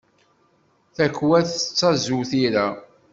Takwat tettazu tira.